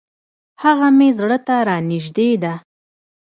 هغه مي زړه ته را نژدې ده .